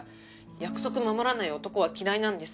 約束守らない男は嫌いなんです。